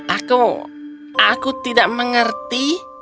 aku aku tidak mengerti